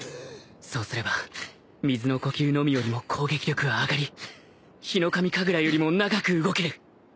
そうすれば水の呼吸のみよりも攻撃力は上がりヒノカミ神楽よりも長く動ける